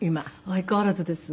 相変わらずです。